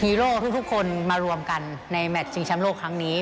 โร่ทุกคนมารวมกันในแมทชิงแชมป์โลกครั้งนี้